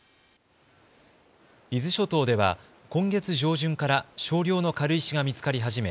伊豆諸島では今月上旬から少量の軽石が見つかり始め